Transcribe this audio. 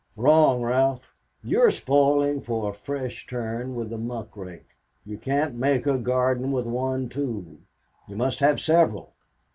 "Wrong, Ralph. You're spoiling for a fresh turn with the muck rake. You can't make a garden with one tool. You must have several.